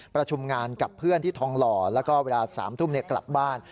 ประชุมงานกับเพื่อนที่ทองหล่อแล้วก็เวลา๓ทุ่มกลับบ้าน